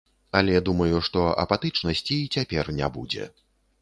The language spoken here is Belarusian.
Але думаю, што апатычнасці і цяпер не будзе.